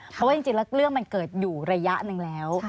เพราะว่าจริงแล้วเรื่องมันเกิดอยู่ระยะหนึ่งแล้ว